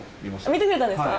見てくれたんですか！